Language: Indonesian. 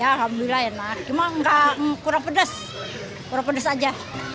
ya alhamdulillah enak cuma kurang pedas kurang pedas aja